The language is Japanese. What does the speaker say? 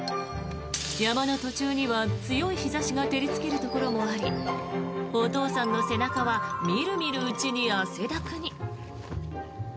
山の途中には強い日差しが照りつけるところもありお父さんの背中はみるみるうちに汗だくに。